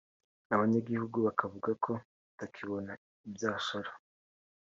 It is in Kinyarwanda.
abanyagihugu bakavuga ko batakibona ibyashara